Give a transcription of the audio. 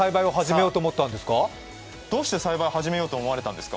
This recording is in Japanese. どうして栽培を始めようと思われたんですか？